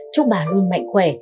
chúc bà luôn mạnh khỏe